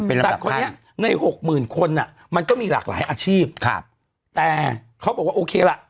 แต่คนนี้ในหกหมื่นคนอ่ะมันก็มีหลากหลายอาชีพครับแต่เขาบอกว่าโอเคล่ะ